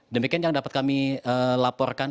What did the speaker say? demikian yang dapat kami laporkan hari ini